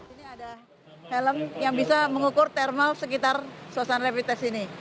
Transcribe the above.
ini ada helm yang bisa mengukur thermal sekitar suasana rapid test ini